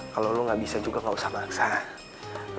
kalau lo gak bisa juga gak usah baksa